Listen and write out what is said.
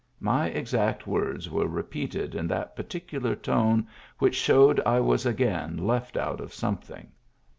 My exact words were repeated in that particular tone which showed I was again left out of something.